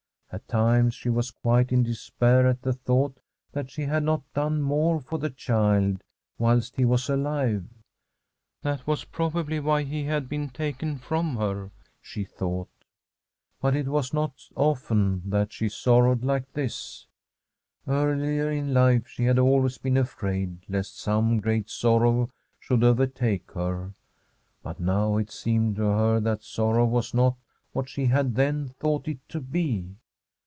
At times she was quite in despair at the thought that she had not done more for the child whilst he was alive. That was [ 535 ] Frtm M SWEDISH HOMESHTEAD probably why he had been taken from her, she thought But it was not often that she sorrowed like this. Earlier in life she had always been afraid lest some great sorrow should overtake her, but now it seemed to her that sorrow was not what she had then thought it to be.